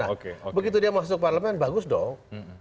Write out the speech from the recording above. nah begitu dia masuk parlemen bagus dong